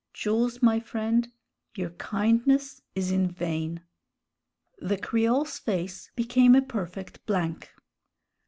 "Jools, my friend, your kindness is in vain." The Creole's face became a perfect blank.